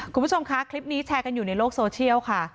คุณผู้ชมคะคลิปนี้แชร์กันอยู่ในโลกโซเชียลค่ะ